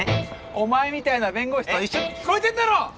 お前みたいな弁護士と聞こえてんだろッ